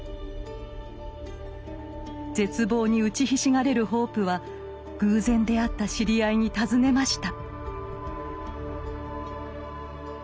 絶望に打ちひしがれるホープは偶然出会った知り合いに尋ねました。